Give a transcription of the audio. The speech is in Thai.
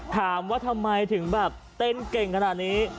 ถามว่าทำไมถึงแบบเต้นเก่งขนาดนี้